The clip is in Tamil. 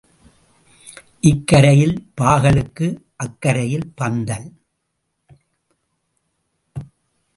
இக்கரையில் பாகலுக்கு அக்கரையில் பந்தல்.